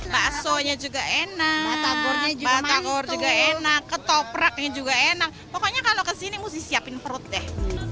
baksonya juga enak mata juga enak ketopraknya juga enak pokoknya kalau kesini mesti siapin perut deh